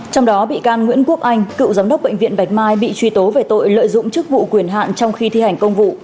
trong đó bị can nguyễn quốc anh cựu giám đốc bệnh viện bạch mai bị truy tố về tội lợi dụng chức vụ quyền hạn trong khi thi hành công vụ